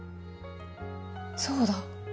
そうだ。